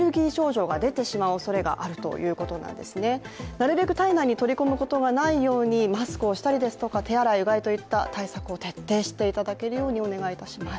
なるべく体内に取り込むことがないようにマスクをしたりですとか手洗いうがいといった対策を徹底していただけるようにお願いいたします。